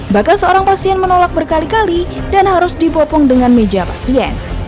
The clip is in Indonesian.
bahkan seorang pasien menolak berkali kali dan harus dibopong dengan meja pasien